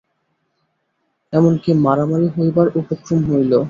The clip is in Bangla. এমন কি, মারামারি হইবার উপক্রম হইল।